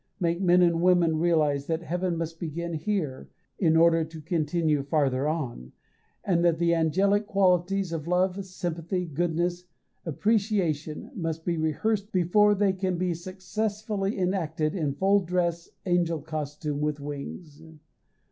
Make men and women realize that heaven must begin here, in order to continue farther on, and that the angelic qualities, of love, sympathy, goodness, appreciation, must be rehearsed in the body, before they can be successfully enacted in full dress angel costume with wings.